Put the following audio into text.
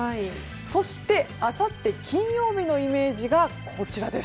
そして、あさって金曜日のイメージがこちらです。